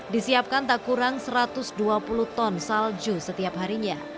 disiapkan tak kurang satu ratus dua puluh ton salju setiap harinya